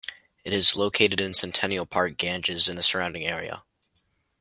It is located in Centennial Park, Ganges and the surrounding area.